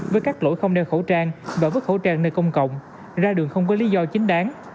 với các lỗi không đeo khẩu trang và vứt khẩu trang nơi công cộng ra đường không có lý do chính đáng